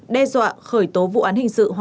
đe dọa khởi tố vụ án